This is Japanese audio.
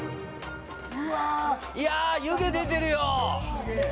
・うわいや湯気出てるよ